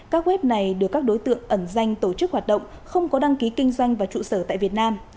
các web này được các đối tượng ẩn danh tổ chức hoạt động không có đăng ký kinh doanh và trụ sở tại việt nam